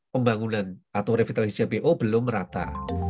pembangunan atau revitalisasi jpo belum rata